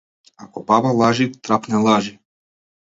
Ако баба лажи, трап не лажи.